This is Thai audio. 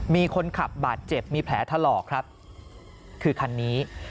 มีคนขับบาดเจ็บมีแผลถลอกครับคือคันนี้